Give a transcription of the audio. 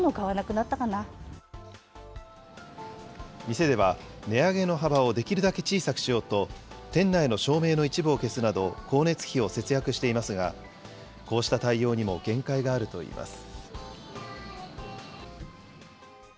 店では値上げの幅をできるだけ小さくしようと、店内の照明の一部を消すなど、光熱費を節約していますが、こうした対応にも限界があるといいます。